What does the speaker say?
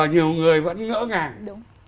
nhiều người vẫn ngỡ ngàng